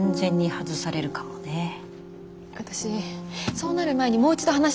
私そうなる前にもう一度話したいんです。